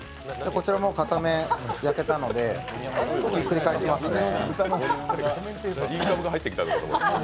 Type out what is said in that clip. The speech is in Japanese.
こちらは片面焼けたのでひっくり返しますね。